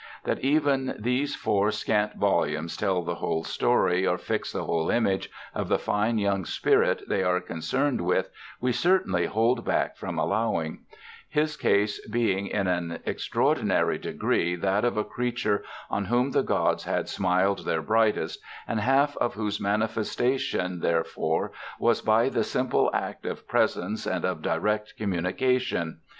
That even these four scant volumes tell the whole story, or fix the whole image, of the fine young spirit they are concerned with we certainly hold back from allowing; his case being in an extraordinary degree that of a creature on whom the gods had smiled their brightest, and half of whose manifestation therefore was by the simple act of presence and of direct communication.